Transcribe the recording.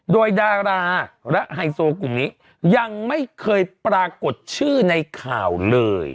โดยดาราและไฮโซกลุ่มนี้ยังไม่เคยปรากฏชื่อในข่าวเลย